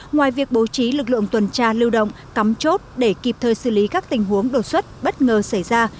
ngoài việc bố trí lực lượng tuần tra lưu động cắm chốt để kịp thời xử lý các tình huống đột xuất bất ngờ xảy ra